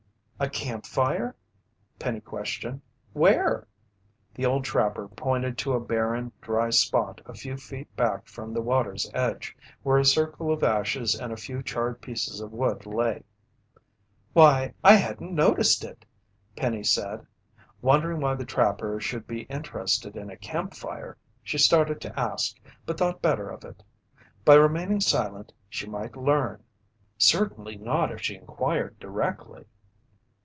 "A campfire?" Penny questioned. "Where?" The old trapper pointed to a barren, dry spot a few feet back from the water's edge, where a circle of ashes and a few charred pieces of wood lay. "Why, I hadn't noticed it," Penny said. Wondering why the trapper should be interested in a campfire, she started to ask, but thought better of it. By remaining silent, she might learn certainly not if she inquired directly.